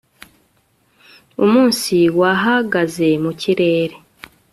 Umunsi wahagaze mu kirere